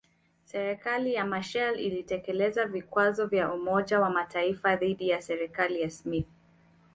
Serikali ya Machel ilitekeleza vikwazo vya Umoja wa Mataifa dhidi ya serikali ya Smith